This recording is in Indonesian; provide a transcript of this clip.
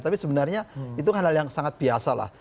tapi sebenarnya itu kan hal yang sangat biasa lah